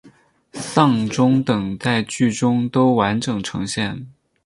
丧钟等在剧中都完整呈现。